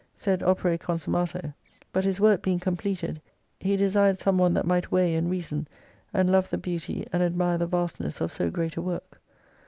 Sed Opere Consunimato ; but His work being completed, He desired some one that might weigh and reason, and love the beauty, and admire the vastness of so great a work.